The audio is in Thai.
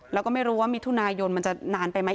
แล้วก็ไม่รู้ว่ามิถุนายนมันจะนานไปไหม